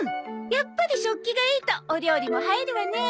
やっぱり食器がいいとお料理も映えるわね。